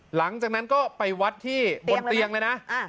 หลังจากนั้นก็ไปวัดที่บนเตียงเลยนะ